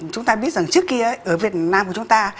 chúng ta biết rằng trước kia ở việt nam của chúng ta